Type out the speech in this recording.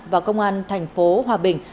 và công an thành phố hòa bình